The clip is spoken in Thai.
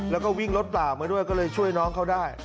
แล้วก็วิ่งรถเปล่ามาด้วยก็เลยช่วยน้องเขาได้